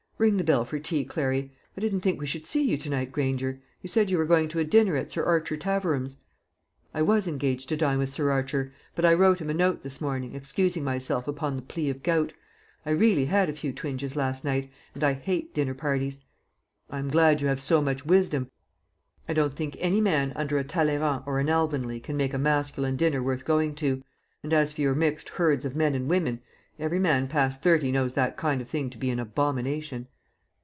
Ring the bell for tea, Clary. I didn't think we should see you to night, Granger; you said you were going to a dinner at Sir Archer Taverham's." "I was engaged to dine with Sir Archer; but I wrote him a note this morning, excusing myself upon the plea of gout. I really had a few twinges last night, and I hate dinner parties." "I am glad you have so much wisdom. I don't think any man under a Talleyrand or an Alvanley can make a masculine dinner worth going to; and as for your mixed herds of men and women, every man past thirty knows that kind of thing to be an abomination."